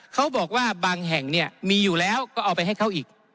เขาบอกว่าบางแห่งเนี่ยมีอยู่แล้วก็เอาไปให้เขาอีก